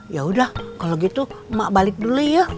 yaudah kalau gitu mak balik dulu ya